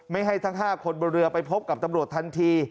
ไม่ให้ทั้ง๕คนบนเรือไปพบกับตำรวจทันที